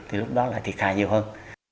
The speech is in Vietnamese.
thì lúc đó lại thịt khai nhiều hơn